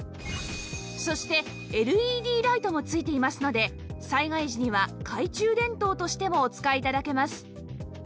そして ＬＥＤ ライトも付いていますので災害時には懐中電灯としてもお使い頂けます